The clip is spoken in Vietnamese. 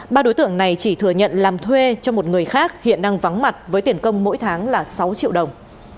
ba đối tượng này chỉ thừa nhận làm thuê cho một người khác hiện đang vắng mặt với tiền công mỗi tháng là sáu triệu đồng